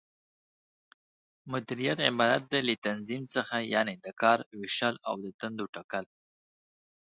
مديريت عبارت دى له تنظيم څخه، یعنې د کار وېشل او د دندو ټاکل